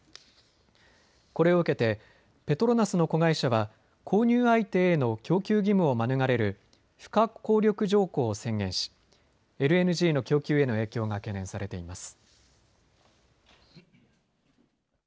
これを受けてペトロナスの子会社は購入相手への供給義務を免れる不可抗力条項を宣言しＬＮＧの供給への影響が懸念されています。